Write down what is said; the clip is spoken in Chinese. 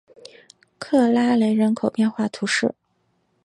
克拉雷人口变化图示